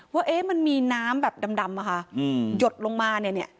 ว่ามันมีน้ำแบบดำอะค่ะหยดลงมาเนี่ยเนี่ย